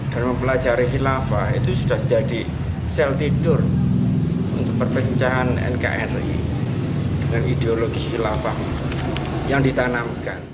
dan mempelajari hilafah itu sudah jadi sel tidur untuk perpencahan nkri dengan ideologi hilafah yang ditanamkan